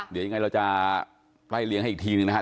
เดี๋ยวยังไงเราจะไล่เลี้ยงให้อีกทีหนึ่งนะครับ